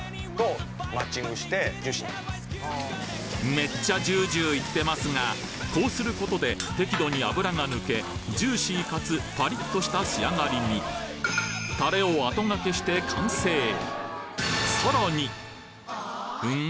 めっちゃジュージューいってますがこうすることで適度に脂が抜けジューシーかつパリッとした仕上がりにタレを後がけして完成ん？